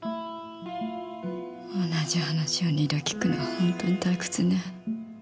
同じ話を２度聞くのは本当に退屈ね。